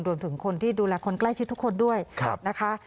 รวมถึงคนที่ดูแลคนใกล้ชิดทุกคนด้วยนะคะ